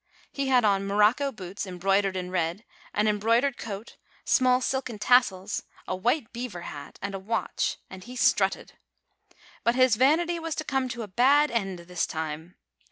He had on morocco boots embroidered in red, an embroid ered coat, small silken tassels, a white beaver hat, and a watch ; and he strutted. But his vanity was to come to a bad end this time.